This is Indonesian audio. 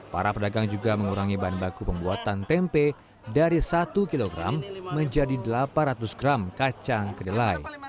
para pedagang juga mengurangi bahan baku pembuatan tempe dari satu kg menjadi delapan ratus gram kacang kedelai